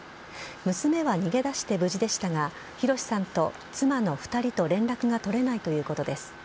娘は逃げ出して無事でしたが弘さんと妻の２人と連絡が取れないということです。